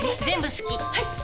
全部好き。